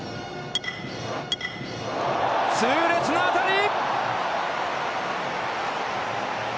痛烈な当たり！